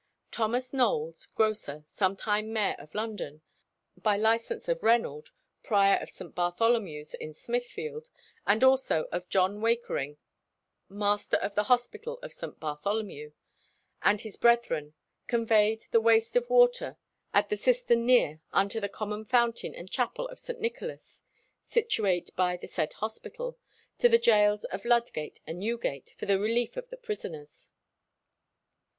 "Thomas Knowles, grocer, sometime mayor of London, by license of Reynold, prior of St. Bartholomew's in Smithfield, and also of John Wakering, master of the hospital of St. Bartholomew, and his brethren, conveyed the waste of water at the cistern near unto the common fountain and Chapel of St. Nicholas (situate by the said hospital) to the gaols of Ludgate and Newgate, for the relief of the prisoners."